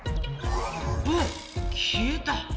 おっ？きえた。